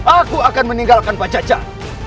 aku akan meninggalkan pak caca